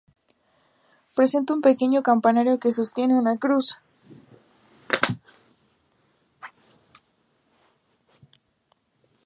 Presenta un pequeño campanario que sostiene una cruz.